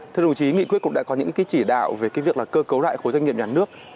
thưa đồng chí nghị quyết cũng đã có những cái chỉ đạo về cái việc là cơ cấu lại khối doanh nghiệp nhà nước